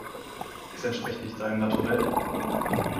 Es entspricht nicht seinem Naturell.